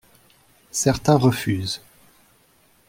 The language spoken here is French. Certains refusent.